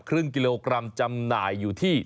ครึ่งกิโลกรัมจำหน่ายอยู่ที่